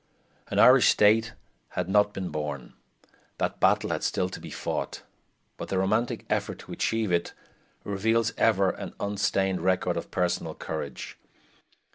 An Irish state had not been born; that battle had still to be fought; but the romantic effort to achieve it reveals ever an unstained record of personal courage.